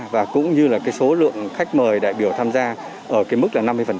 và cũng như là số lượng khách mời đại biểu tham gia ở mức năm mươi